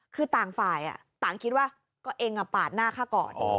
คือต่างฝ่ายต่างคิดว่าก็เองปาดหน้าฆ่าก่อน